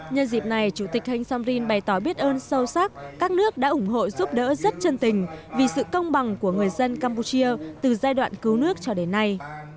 nhân dịp này chủ tịch heng som rin bày tỏ biết ơn sâu sắc các nước đã ủng hộ giúp đỡ rất chân tình vì sự công bằng của người dân campuchia từ giai đoạn cứu nước cho đến nay